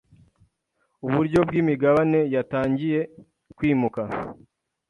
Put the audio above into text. uburyo bwimigabane ya tangiye kwimuka